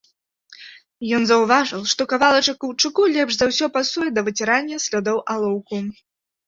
Ён заўважыў, што кавалачак каўчуку лепш за ўсё пасуе да выцірання слядоў алоўку.